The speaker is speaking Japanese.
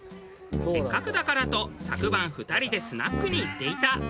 せっかくだからと昨晩２人でスナックに行っていた。